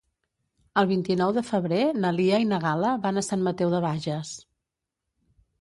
El vint-i-nou de febrer na Lia i na Gal·la van a Sant Mateu de Bages.